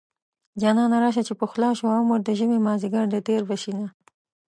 جانانه راشه چې پخلا شو عمر د ژمې مازديګر دی تېر به شينه